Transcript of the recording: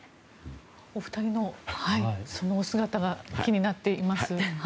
お二人のそのお姿が気になっています。